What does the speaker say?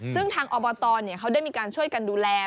ซึ่งทางอบตเขาได้มีการช่วยกันดูแล